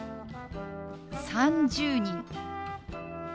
「３０人」。